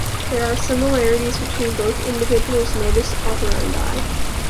There are similarities between both individuals' modus operandi.